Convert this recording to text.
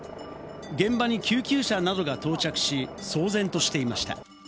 現場に救急車などが到着し、騒然としていました。